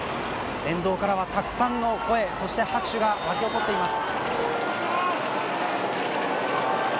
沿道からはたくさんの声、そして拍手がわき起こっています。